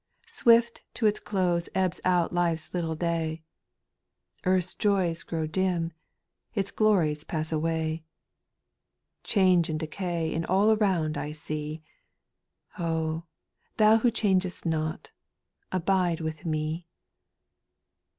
SPIRITUAL 80NQ8. 419 2. Swift to its close ebbs out life's little day ; Earth's joys grow dim, its glories pass away; Change and decay in all around I see, Oh 1 Thou, w^ho changest not, abide with me.